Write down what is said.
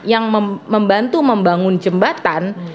yang membantu membangun jembatan